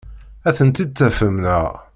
Ad tent-id-tafem, naɣ?